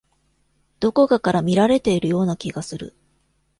どこかから見られているような気がする。